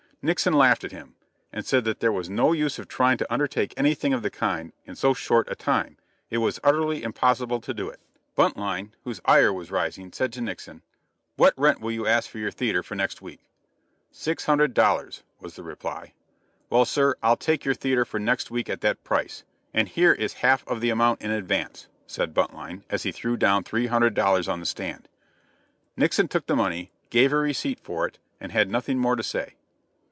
Nixon laughed at him, and said that there was no use of trying to undertake anything of the kind in so short a time it was utterly impossible to do it. Buntline, whose ire was rising, said to Nixon: "What rent will you ask for your theater for next week?" "Six hundred dollars," was the reply. "Well, sir, I'll take your theater for next week at that price, and here is half of the amount in advance," said Buntline, as he threw down three hundred dollars on the stand. Nixon took the money, gave a receipt for it, and had nothing more to say.